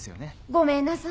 ごめんなさーい。